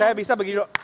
saya bisa begitu